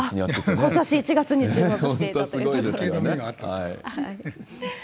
ことし１月に注目していたということですね。